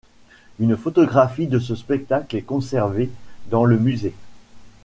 Une photographie de ce spectacle est conservée dans le musée.